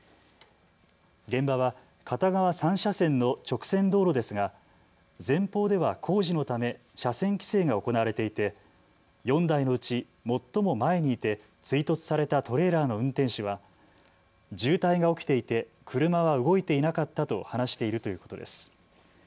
現場は片側３車線の直線道路ですが、前方では工事のため車線規制が行われていて、４台のうち最も前にいて追突されたトレーラーの運転手は渋滞が起きていて車は動いていなかったと話しているということです。